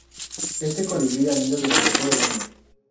Este colibrí anida durante todo el año.